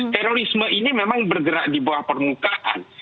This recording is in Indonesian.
terorisme ini memang bergerak di bawah permukaan